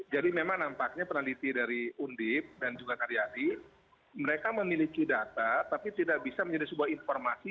memang nampaknya peneliti dari undip dan juga karyadi mereka memiliki data tapi tidak bisa menjadi sebuah informasi